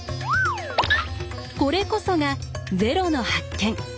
これこそが０の発見。